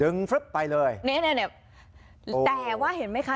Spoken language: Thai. ดึงฟลึกไปเลยเนี่ยเนี่ยเนี่ยแต่ว่าเห็นไหมคะ